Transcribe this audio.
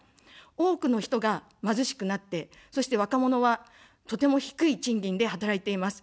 多くの人が貧しくなって、そして若者は、とても低い賃金で働いています。